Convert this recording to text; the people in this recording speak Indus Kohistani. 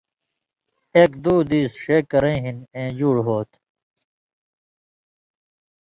ایک دُو دیس ݜے کرَیں ہِن اَیں جُوڑ ہوتھی۔